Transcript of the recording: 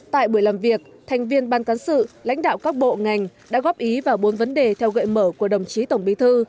tại buổi làm việc thành viên ban cán sự lãnh đạo các bộ ngành đã góp ý vào bốn vấn đề theo gợi mở của đồng chí tổng bí thư